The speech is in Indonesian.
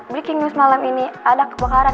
breaking news malam ini ada kebakaran